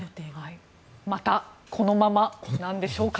またこのままなんでしょうか。